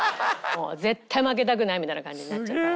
絶対負けたくないみたいな感じになっちゃうから。